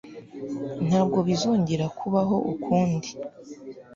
Ntabwo bizongera kubaho ukundi